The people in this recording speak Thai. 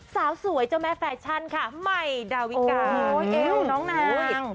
สาวสวยเจ้าแม่แฟชั่นค่ะใหม่ดาวิกาเอวน้องนาย